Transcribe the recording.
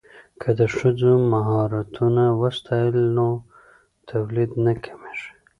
که د ښځو مهارتونه وستایو نو تولید نه کمیږي.